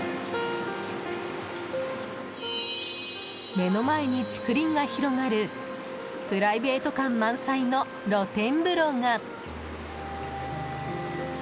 目の前に竹林が広がるプライベート感満載の露天風呂が。